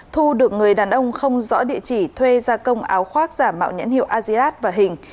thu được người đàn ông không rõ địa chỉ thuê gia công áo khoác giả mạo nhãn hiệu azirat và hình